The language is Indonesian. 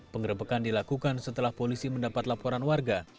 pengerebekan dilakukan setelah polisi mendapat laporan warga